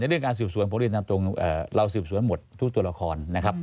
เรื่องการสืบสวนผมเรียนตามตรงเราสืบสวนหมดทุกตัวละครนะครับ